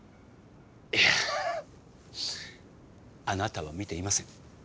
いやあなたは見ていません。